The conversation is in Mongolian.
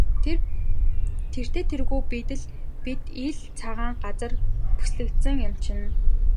Тэртэй тэргүй бид ил цагаан газар бүслэгдсэн юм чинь.